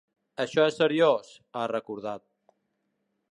Això és seriós, ha recordat.